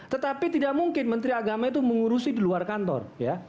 tetapi tidak mungkin menteri agama itu mengurusi di luar kantor ya